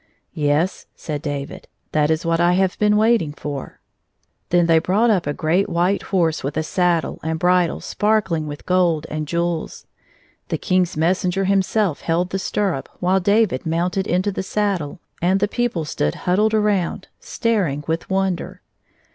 " Yes," said David, " that is what I have been waiting for." 184 Then they brought up a great white horse with a saddle and bridle sparkling with gold and jewels. The King's messenger himself held the stirrup, while David mounted into the saddle, and the people stood huddled around staring with wonder.